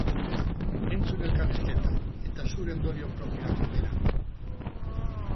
Entzun elkarrizketa eta zure ondorio propioak atera!